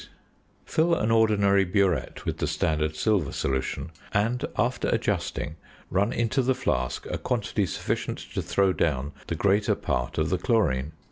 Fill an ordinary burette with the standard silver solution, and (after adjusting) run into the flask a quantity sufficient to throw down the greater part of the chlorine.